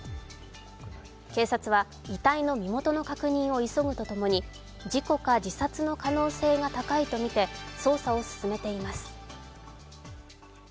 警察は遺体の身元の確認を急ぐとともに事故か自殺の可能性が高いとみて捜査を進めています。